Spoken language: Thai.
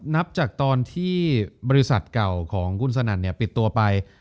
นับจากตอนที่บริษัทเก่าของคุณสนั่นปิดตัวไป